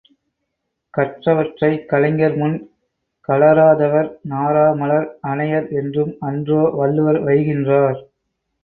கற்றவற்றைக் கலைஞர் முன் கழறாதவர் நாறா மலர் அனையர் என்றும் அன்றோ வள்ளுவர் வைகின்றார்?